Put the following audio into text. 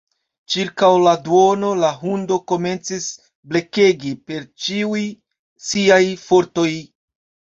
Ĉirkaŭ la duono, la hundo komencis blekegi per ĉiuj siaj fortoj.